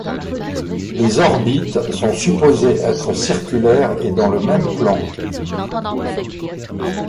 Les orbites sont supposées être circulaires et dans le même plan.